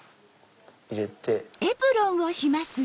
入れて。